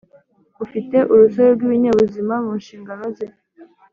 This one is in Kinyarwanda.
Ufite urusobe rw’ibinyabuzima mu nshingano ze